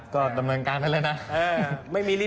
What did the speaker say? ก็ตำเนินกันไปเลยนะ